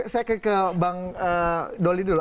saya ke bang doli dulu